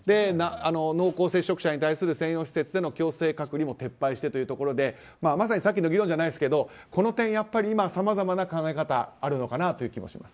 濃厚接触者に対する静養施設での強制隔離も撤廃してというところで、まさにさっきの議論ではないですがこの点、やっぱり今さまざまな考え方があるのかなという気もします。